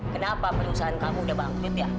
kenapa perusahaan kamu udah bangkit ya